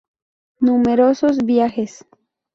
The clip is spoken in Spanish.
Numerosos viajes.